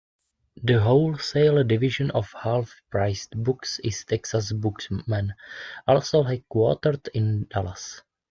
The wholesale division of Half Price Books is Texas Bookman, also headquartered in Dallas.